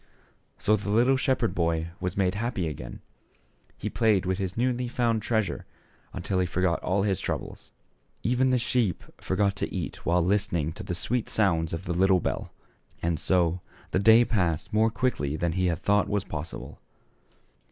So the little shepherd boy was made happy again ; he played with his newly found treasure until he forgot all his troubles ; even the sheep forgot to eat while listening to the sweet sounds of the little bell. And so the day passed more quickly than he had thought possible.